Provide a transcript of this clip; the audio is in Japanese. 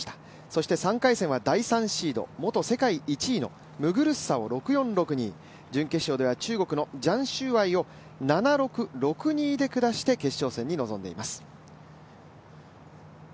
そして３回戦は第３シード元世界１位のムグルッサを６−４、６−２準決勝では中国のジャン・シューアイを７−６、６−２で下して決勝戦に臨んでいます。